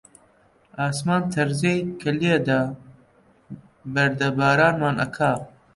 ئاسمان تەرزەی کە لێدا، بەردەبارانمان ئەکا